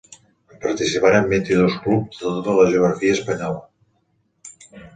Hi participaren vint-i-dos clubs de tota la geografia espanyola.